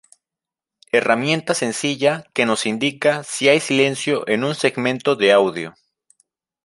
Herramienta sencilla que nos indica si hay silencio en un segmento de audio.